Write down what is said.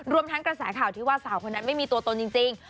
ทั้งกระแสข่าวที่ว่าสาวคนนั้นไม่มีตัวตนจริง